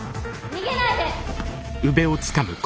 ・逃げないで！